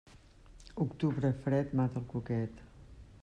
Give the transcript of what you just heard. Octubre fred, mata al cuquet.